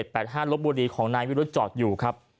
ก็พูดถึงที่รจาที่๔๗๘๕ลพบุรีของนายวิรุชจอดอยู่ครับ